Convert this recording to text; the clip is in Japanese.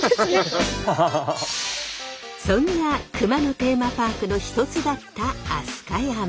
そんな熊野テーマパークの一つだった飛鳥山。